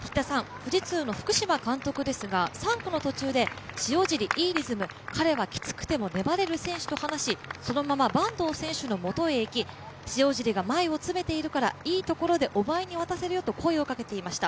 富士通の福島監督ですが、３区の途中で塩尻、いいですね、彼はきつくても粘れる選手と話し、そのまま坂東選手のもとへ行き塩尻が前を詰めているからいいところでお前に渡せるよと声をかけていました。